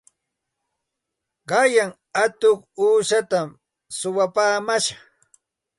Qanyan atuq uushatam suwapaamash.